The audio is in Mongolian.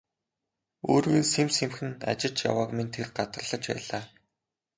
Өөрийг нь сэм сэмхэн ажиж явааг минь тэр гадарлаж байлаа.